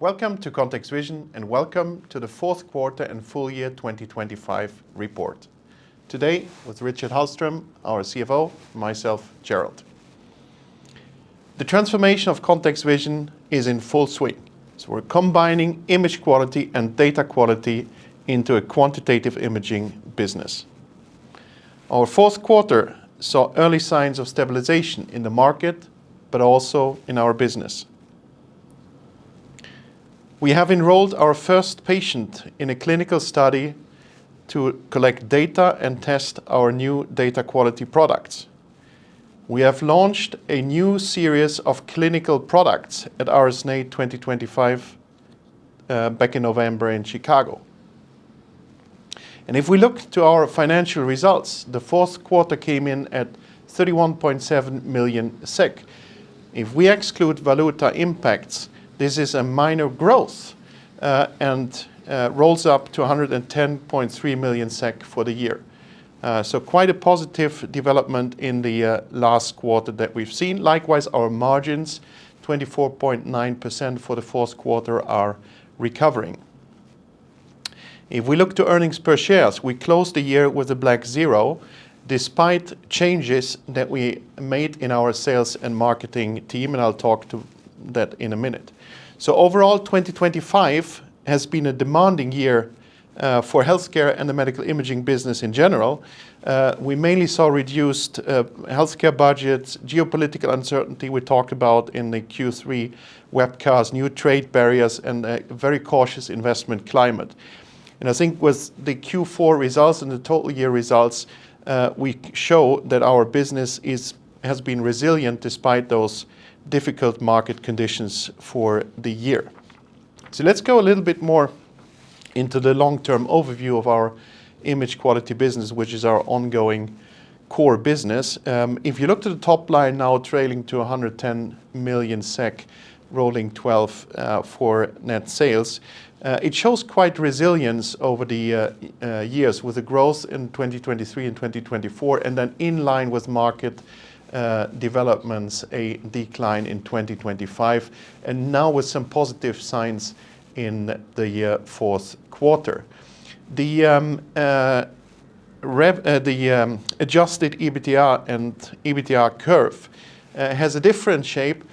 Welcome to ContextVision, and welcome to the Fourth Quarter and Full Year 2025 Report. Today, with Richard Hallström, our CFO, and myself, Gerald. The transformation of ContextVision is in full swing, so we're combining image quality and data quality into a quantitative imaging business. Our fourth quarter saw early signs of stabilization in the market, but also in our business. We have enrolled our first patient in a clinical study to collect data and test our new data quality products. We have launched a new series of clinical products at RSNA 2025, back in November in Chicago. And if we look to our financial results, the fourth quarter came in at 31.7 million SEK. If we exclude FX impacts, this is a minor growth, and rolls up to 110.3 million SEK for the year. So quite a positive development in the last quarter that we've seen. Likewise, our margins, 24.9% for the fourth quarter, are recovering. If we look to earnings per share, we closed the year with a black zero, despite changes that we made in our sales and marketing team, and I'll talk to that in a minute. So overall, 2025 has been a demanding year for healthcare and the medical imaging business in general. We mainly saw reduced healthcare budgets, geopolitical uncertainty, we talked about in the Q3 webcast, new trade barriers, and a very cautious investment climate. And I think with the Q4 results and the total year results, we show that our business has been resilient despite those difficult market conditions for the year. So let's go a little bit more into the long-term overview of our image quality business, which is our ongoing core business. If you look to the top line now, trailing to 110 million SEK, rolling 12, for net sales, it shows quite resilience over the years, with a growth in 2023 and 2024, and then in line with market developments, a decline in 2025, and now with some positive signs in the fourth quarter. The adjusted EBITDA and EBITDA curve has a different shape,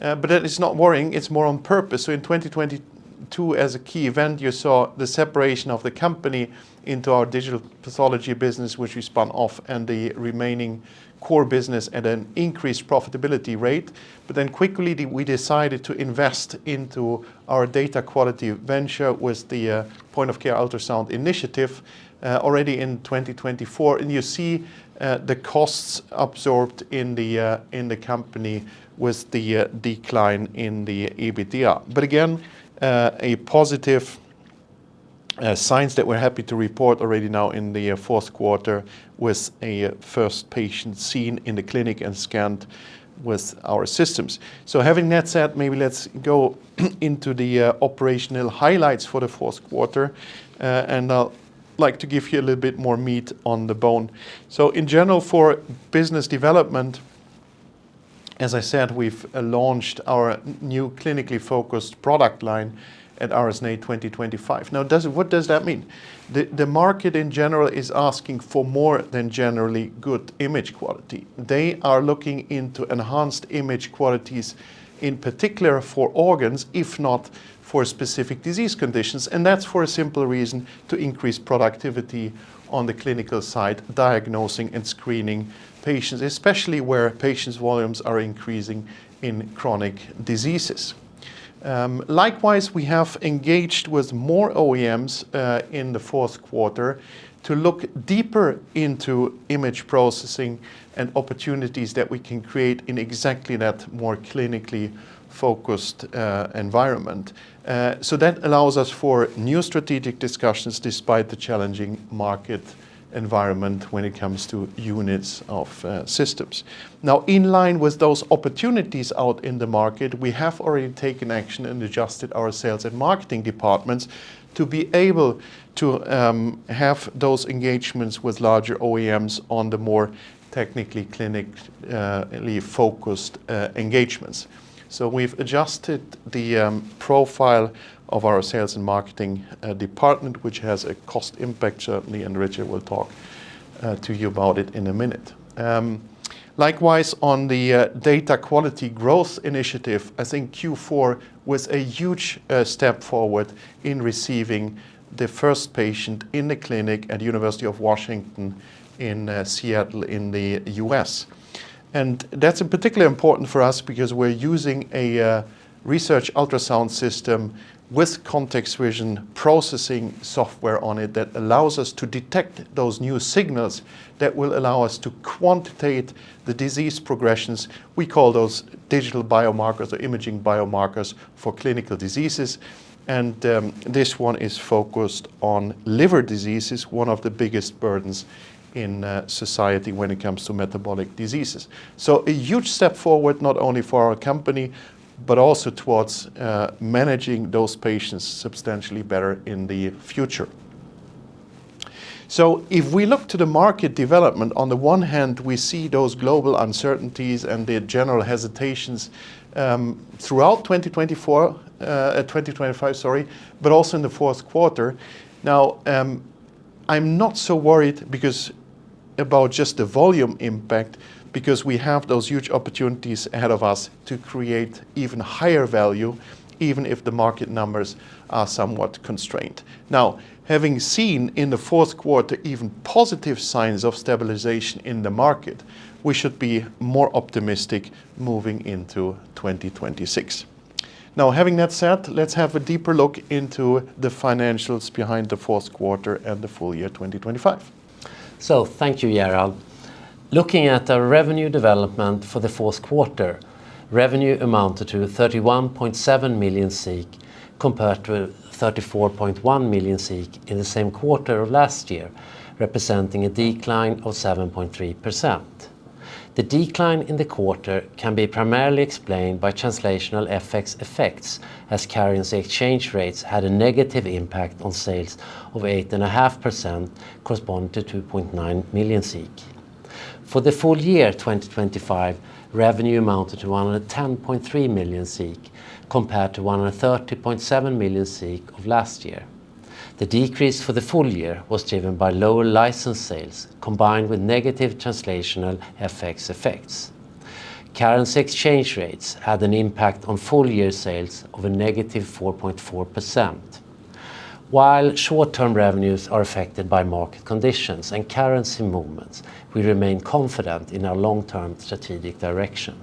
but it's not worrying, it's more on purpose. So in 2022, as a key event, you saw the separation of the company into our digital pathology business, which we spun off, and the remaining core business at an increased profitability rate. But then quickly, we decided to invest into our data quality venture with the point-of-care ultrasound initiative already in 2024. And you see the costs absorbed in the company with the decline in the EBITDA. But again a positive signs that we're happy to report already now in the fourth quarter, with a first patient seen in the clinic and scanned with our systems. So having that said, maybe let's go into the operational highlights for the fourth quarter, and I'll like to give you a little bit more meat on the bone. So in general, for business development, as I said, we've launched our new clinically focused product line at RSNA 2025. Now, what does that mean? The market in general is asking for more than generally good image quality. They are looking into enhanced image qualities, in particular for organs, if not for specific disease conditions, and that's for a simple reason, to increase productivity on the clinical side, diagnosing and screening patients, especially where patients' volumes are increasing in chronic diseases. Likewise, we have engaged with more OEMs in the fourth quarter to look deeper into image processing and opportunities that we can create in exactly that more clinically focused environment. So that allows us for new strategic discussions despite the challenging market environment when it comes to units of systems. Now, in line with those opportunities out in the market, we have already taken action and adjusted our sales and marketing departments to be able to have those engagements with larger OEMs on the more technically, clinically focused engagements. So we've adjusted the profile of our sales and marketing department, which has a cost impact, certainly, and Richard will talk to you about it in a minute. Likewise, on the data quality growth initiative, I think Q4 was a huge step forward in receiving the first patient in the clinic at University of Washington in Seattle, in the U.S. And that's particularly important for us because we're using a research ultrasound system with ContextVision processing software on it that allows us to detect those new signals that will allow us to quantitate the disease progressions. We call those digital biomarkers or imaging biomarkers for clinical diseases, and this one is focused on liver diseases, one of the biggest burdens in society when it comes to metabolic diseases. So a huge step forward, not only for our company, but also towards, managing those patients substantially better in the future. So if we look to the market development, on the one hand, we see those global uncertainties and the general hesitations, throughout 2024, 2025, sorry, but also in the fourth quarter. Now, I'm not so worried because about just the volume impact, because we have those huge opportunities ahead of us to create even higher value, even if the market numbers are somewhat constrained. Now, having seen in the fourth quarter even positive signs of stabilization in the market, we should be more optimistic moving into 2026. Now, having that said, let's have a deeper look into the financials behind the fourth quarter and the full year 2025. So thank you, Gerald. Looking at the revenue development for the fourth quarter, revenue amounted to 31.7 million, compared to 34.1 million in the same quarter of last year, representing a decline of 7.3%. The decline in the quarter can be primarily explained by translational FX effects, as currency exchange rates had a negative impact on sales of 8.5%, corresponding to 2.9 million. For the full year 2025, revenue amounted to 110.3 million, compared to 130.7 million of last year. The decrease for the full year was driven by lower license sales, combined with negative translational FX effects. Currency exchange rates had an impact on full year sales of a negative 4.4%. While short-term revenues are affected by market conditions and currency movements, we remain confident in our long-term strategic direction.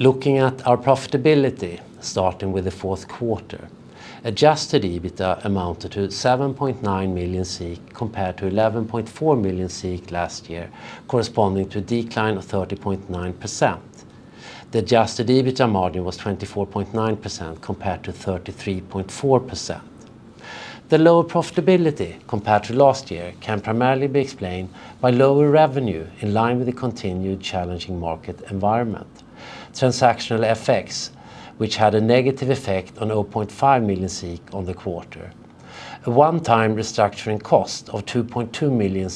Looking at our profitability, starting with the fourth quarter, adjusted EBITDA amounted to 7.9 million, compared to 11.4 million last year, corresponding to a decline of 30.9%. The adjusted EBITDA margin was 24.9%, compared to 33.4%. The lower profitability compared to last year can primarily be explained by lower revenue in line with the continued challenging market environment. Transactional FX, which had a negative effect on 0.5 million on the quarter. A one-time restructuring cost of 2.2 million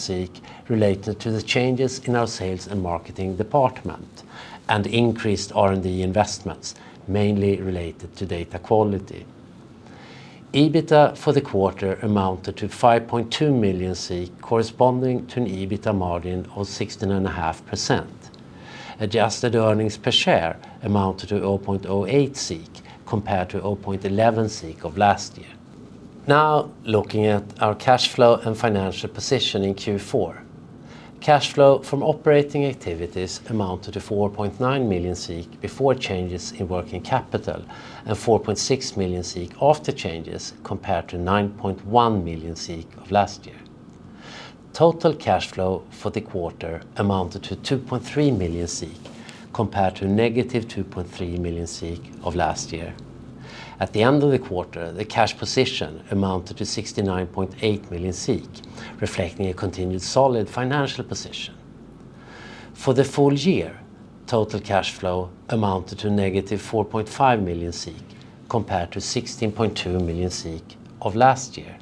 related to the changes in our sales and marketing department, and increased R&D investments, mainly related to data quality. EBITDA for the quarter amounted to 5.2 million, corresponding to an EBITDA margin of 16.5%. Adjusted earnings per share amounted to 0.08, compared to 0.11 of last year. Now, looking at our cash flow and financial position in Q4. Cash flow from operating activities amounted to 4.9 million before changes in working capital and 4.6 million after changes, compared to 9.1 million of last year. Total cash flow for the quarter amounted to 2.3 million, compared to -2.3 million of last year. At the end of the quarter, the cash position amounted to 69.8 million, reflecting a continued solid financial position. For the full year, total cash flow amounted to -4.5 million, compared to 16.2 million of last year.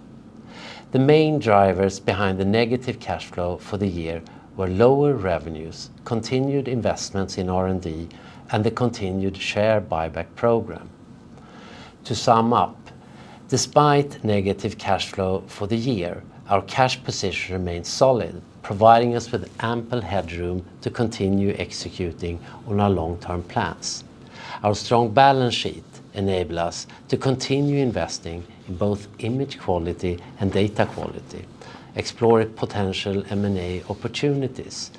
The main drivers behind the negative cash flow for the year were lower revenues, continued investments in R&D, and the continued share buyback program. To sum up, despite negative cash flow for the year, our cash position remains solid, providing us with ample headroom to continue executing on our long-term plans. Our strong balance sheet enable us to continue investing in both image quality and data quality, explore potential M&A opportunities,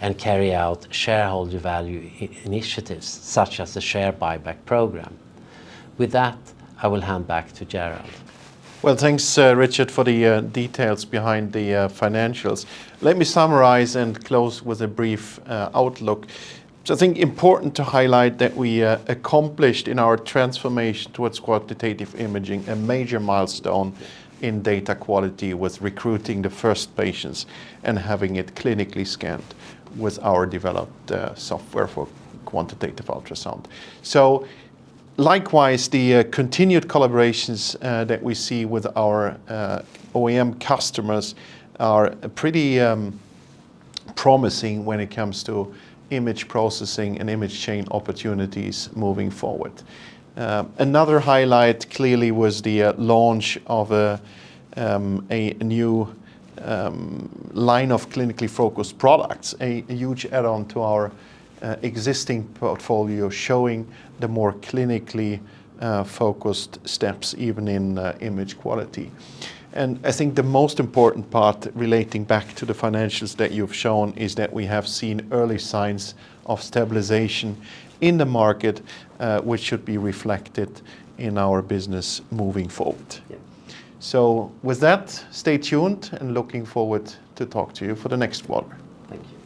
and carry out shareholder value initiatives, such as the share buyback program. With that, I will hand back to Gerald. Well, thanks, Richard, for the details behind the financials. Let me summarize and close with a brief outlook. So I think important to highlight that we accomplished in our transformation towards quantitative imaging, a major milestone in data quality, with recruiting the first patients and having it clinically scanned with our developed software for quantitative ultrasound. So likewise, the continued collaborations that we see with our OEM customers are pretty promising when it comes to image processing and image chain opportunities moving forward. Another highlight, clearly, was the launch of a new line of clinically focused products, a huge add-on to our existing portfolio, showing the more clinically focused steps, even in image quality. I think the most important part, relating back to the financials that you've shown, is that we have seen early signs of stabilization in the market, which should be reflected in our business moving forward. Yeah. With that, stay tuned, and looking forward to talk to you for the next quarter. Thank you.